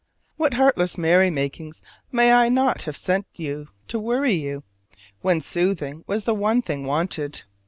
What heartless merrymakings may I not have sent you to worry you, when soothing was the one thing wanted?